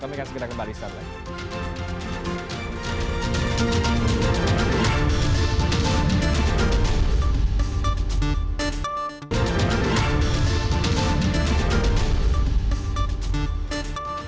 kami akan segera kembali setelah ini